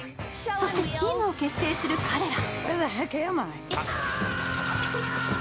そしてチームを結成する彼ら。